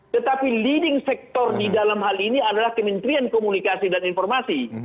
tetapi leading sector di dalam hal ini adalah kementerian komunikasi dan informasi